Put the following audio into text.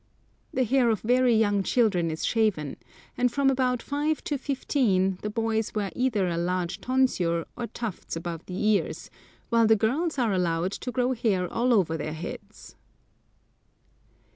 The hair of very young children is shaven, and from about five to fifteen the boys wear either a large tonsure or tufts above the ears, while the girls are allowed to grow hair all over their heads.